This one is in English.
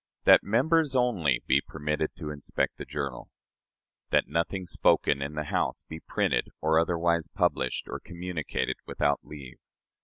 "That members only be permitted to inspect the journal. "That nothing spoken in the House be printed, or otherwise published or communicated, without leave."